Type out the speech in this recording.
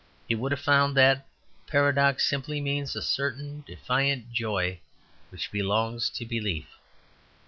He would have found that paradox simply means a certain defiant joy which belongs to belief.